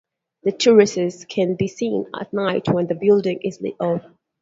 The Trusses can be seen at night when the building is lit up.